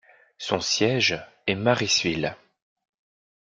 Son siège est Marysville.